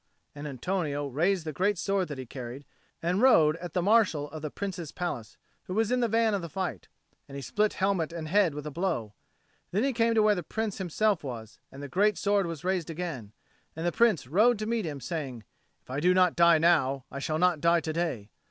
And Antonio raised the great sword that he carried, and rode at the Marshal of the Prince's palace, who was in the van of the fight, and he split helmet and head with a blow. Then he came to where the Prince himself was, and the great sword was raised again, and the Prince rode to meet him, saying, "If I do not die now, I shall not die to day."